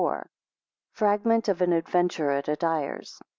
1 Fragment of an adventure at a dyer's.